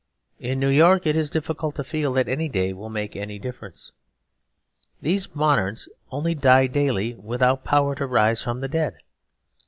In New York it is difficult to feel that any day will make any difference. These moderns only die daily without power to rise from the dead.